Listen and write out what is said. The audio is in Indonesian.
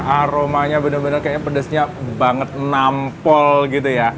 aromanya bener bener kayaknya pedesnya banget nampol gitu ya